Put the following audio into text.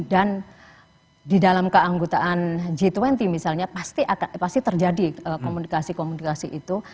dan di dalam keanggotaan g dua puluh misalnya pasti terjadi komunikasi komunikasi itu